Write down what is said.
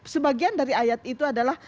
sebagian dari ayat itu adalah